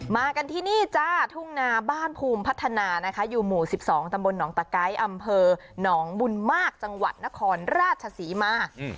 มากันที่นี่จ้าทุ่งนาบ้านภูมิพัฒนานะคะอยู่หมู่๑๒ตำบลหนองตะไก้อำเภอหนองบุญมากจังหวัดนครราชศรีมา